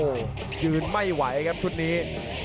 ยืนไม่ไหวครับชุดนี้